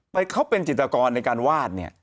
เขาเป็นจิตกรในการวาดเนี่ย